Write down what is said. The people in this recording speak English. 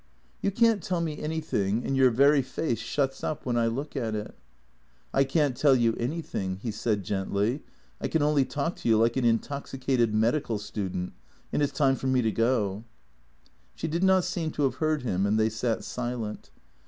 " You can't tell me anything, and your very face shuts up when I look at it." " I can't tell you anything," he said gently. " I can only talk to you like an intoxicated medical student, and it 's time for me to go." She did not seem to have heard him, and they sat silent.